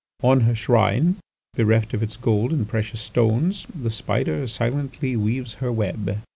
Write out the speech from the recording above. On her shrine, bereft of its gold and precious stones, the spider silently weaves her web."